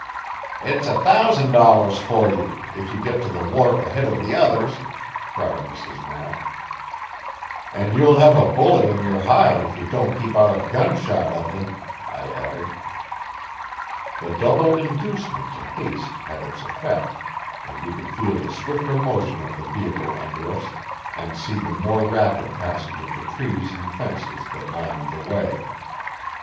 "It's a thousand dollars for you if you get to the wharf ahead of the others," cried Mrs. Knapp. "And you'll have a bullet in your hide if you don't keep out of gunshot of them," I added. The double inducement to haste had its effect, and we could feel the swifter motion of the vehicle under us, and see the more rapid passage of the trees and fences that lined the way.